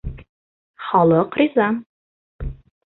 Халыҡ риза.